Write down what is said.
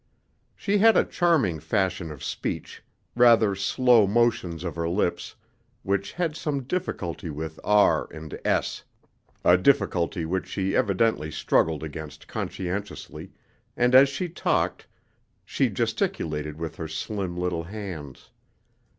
She had a charming fashion of speech, rather slow motions of her lips, which had some difficulty with "r" and "s," a difficulty which she evidently struggled against conscientiously, and as she talked, she gesticulated with her slim little hands.